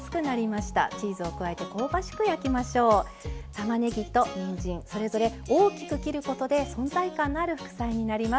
たまねぎとにんじんそれぞれ大きく切ることで存在感のある副菜になります。